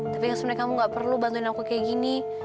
tapi sebenarnya kamu gak perlu bantuin aku kayak gini